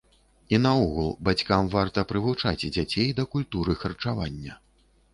І наогул, бацькам варта прывучаць дзяцей да культуры харчавання.